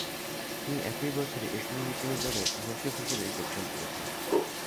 তিনি একই বছরে ইসলামী বিশ্ববিদ্যালয়ে প্রভাষক হিসাবে যোগদান করেন।